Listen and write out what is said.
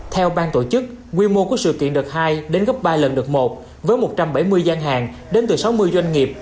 theo bang tổ chức quy mô của sự kiện đợt hai đến gấp ba lần đợt một với một trăm bảy mươi gian hàng đến từ sáu mươi doanh nghiệp